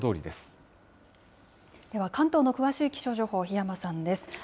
では関東の詳しい気象情報、檜山さんです。